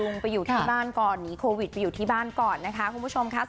ไปอยู่ที่บ้านก่อนหนีโควิดไปอยู่ที่บ้านก่อนนะคะคุณผู้ชมค่ะ